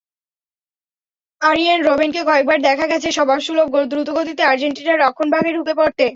আরিয়েন রোবেনকে কয়েকবার দেখা গেছে স্বভাবসুলভ দ্রুতগতিতে আর্জেন্টিনার রক্ষণভাগে ঢুকে পড়তে।